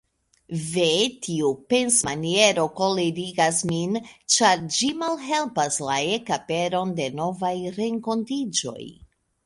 Ve, tiu pensmaniero kolerigas min, ĉar ĝi malhelpas la ekaperon de novaj renkontiĝoj.